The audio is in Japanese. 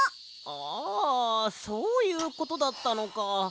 あそういうことだったのか。